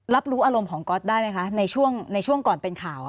รับรู้อารมณ์ของก๊อตได้ไหมคะในช่วงก่อนเป็นข่าว